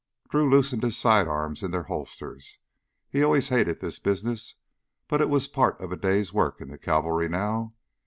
Drew loosened his side arms in their holsters. He always hated this business, but it was part of a day's work in the cavalry now.